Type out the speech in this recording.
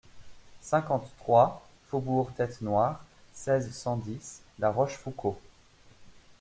cinquante-trois faubourg Tête Noire, seize, cent dix, La Rochefoucauld